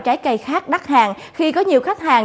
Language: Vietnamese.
trái cây khác đắt hàng khi có nhiều khách hàng